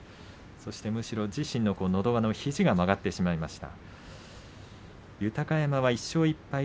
自身ののど輪も肘が曲がってしまいました。